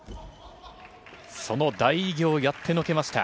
その大偉業をやってのけました。